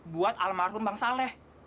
buat almarhum bang saleh